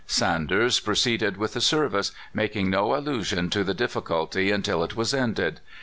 Sanders proceeded with the service, making no allusion to the diffi culty until it was ended.